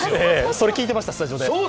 それ、聞いてました、スタジオで。